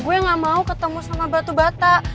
gue gak mau ketemu sama batu bata